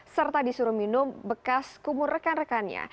serta disuruh minum bekas kumur rekan rekannya